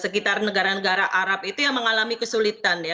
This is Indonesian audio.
sekitar negara negara arab itu yang mengalami kesulitan ya